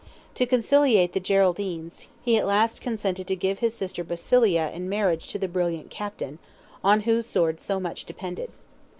To conciliate the Geraldines, he at last consented to give his sister Basilia in marriage to the brilliant captain, on whose sword so much depended.